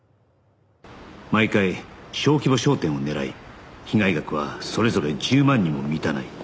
毎回小規模商店を狙い被害額はそれぞれ１０万にも満たない